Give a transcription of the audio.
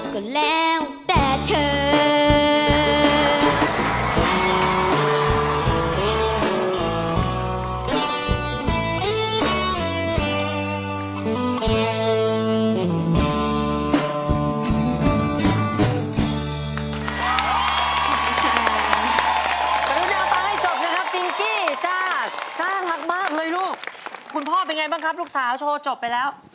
ก็แล้วแต่เธอ